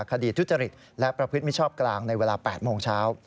คดีทุจริตและประพฤติมิชชอบกลางในเวลา๘โมงเช้า